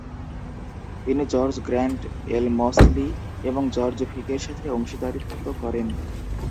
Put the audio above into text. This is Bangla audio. তিনি জর্জ গ্র্যান্ট এলমস্লি এবং জর্জ ফিকের সাথে অংশীদারিত্ব করেন।